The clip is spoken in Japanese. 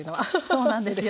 そうなんですよ。